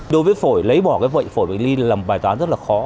đối với phổi lấy bỏ cái bệnh phổi bệnh lý là một bài toán rất là khó